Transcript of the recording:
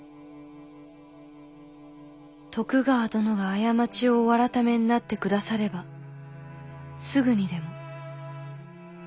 「徳川殿が過ちをお改めになってくださればすぐにでも」。